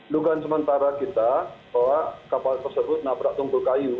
luka sementara kita bahwa kapal tersebut menabrak tunggul kayu